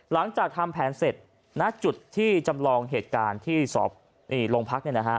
หลังจากทำแผนเสร็จณจุดที่จำลองเหตุการณ์ที่สอบโรงพัก